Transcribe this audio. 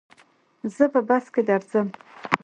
زه په بس کي درځم.